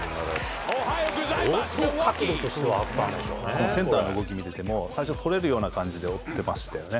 このセンターの動き見てても最初捕れるような感じで追ってましたよね。